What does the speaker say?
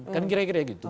kan kira kira gitu